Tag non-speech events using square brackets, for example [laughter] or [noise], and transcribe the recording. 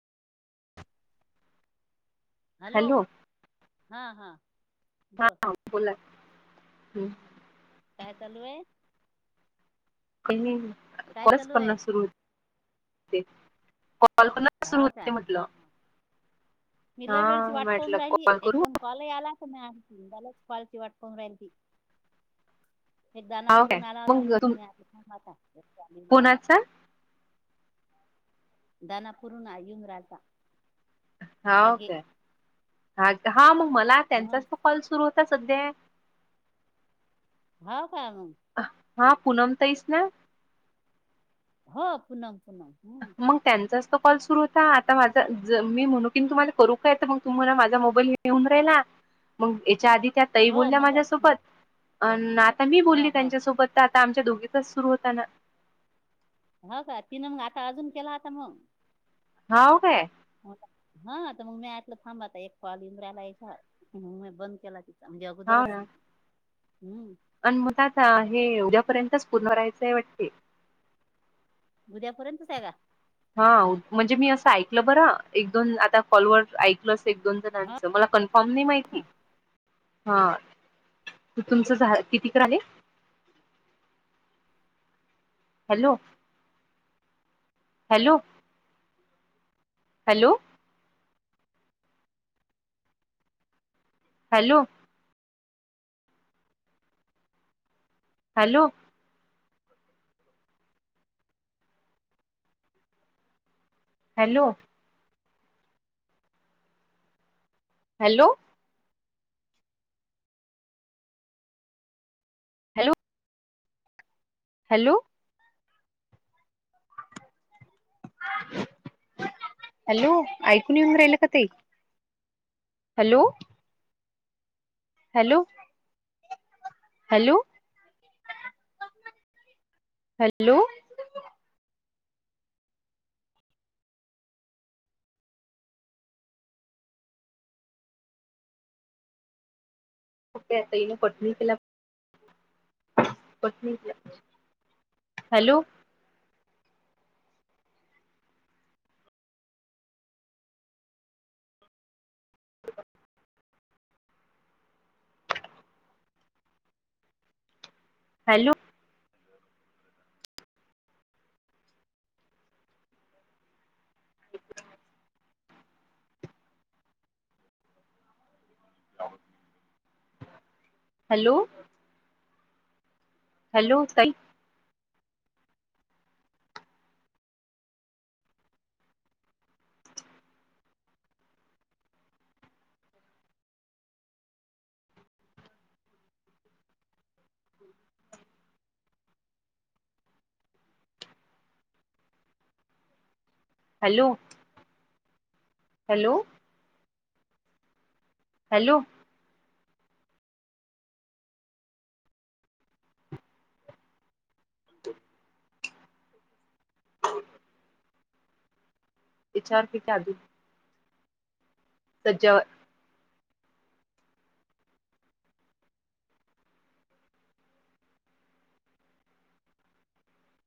Hello हा हा हा बोल बोला हम्. काय चालू आहे. काय नाही काय कोर्स चालू आहे करण सुरू कल्पना सुरू होत ते म्हटलं. मि लय हा वेेळची वाट पाऊन म्हटलं राहिली कॉल करू एकदम कॉलही आला क ना. बलाच क्वालची वाटपून राहिल त एकदाना हा काय पुरून आला होता मग मु तुम तुम्ही आ थांबता मंदराला कोणाचा दना पूरण येऊन राहता. हा का हा हा मग मला हं त्यांचाच त कॉल सुरू होता. आता सध्या हो काय मग हा पनम तईस ना हो पुनम मग त्यांचाच तो कॉल सुरू होता आता माझा मी म्हणु किन तुम्हाला करू काय तर मग तुम्हाला माझा मोबाईल घेऊन राहिला मग याच्या आधी त्या तही हो बोलल्या मग हं. माझ्यासोबत अन् आता मी हो बोलली हो त्यांच्यासोबत आता आमच्या दोघीचाच सुरू होता ना ह का तिनं मग आता अजून केला आता मग हाऊ काय हा तर मग मी ऐलं थांबता एक फल इंद्राला या म बंद केला त म्हणजे अगोदरच हम्म अन मला आता हे उद्यापर्यंतच पुन राहायचंय वाटते. उद्यापुर्यंतच आहे का? हा म्हणजे मी असं ऐकलं बरं एक दोन आता कॉलवर ऐकल. एक दोन हा जणांच मला कन्फर्म नाही माहिती हा तुमचं झा कितीकडे आहे. Hello. Hello. Hello. Hello. Hello. Hello. Hello. Hello. Hello. [unintelligible] Hello ऐकून येऊन राहिल का ते हॅलो. हॅलो. Hello hello. कताने पटनी फिला. हॅलो. हॅलो. [unintelligible] हॅलो. हॅलो तई हॅलो. हॅलो. हॅलो. हो. विचारते की आधी सज्जवर